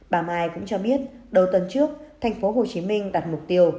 bà mai cũng cho biết đầu tuần trước tp hcm đặt mục tiêu